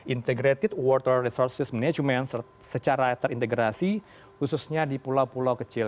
integrated water resources management secara terintegrasi khususnya di pulau pulau kecil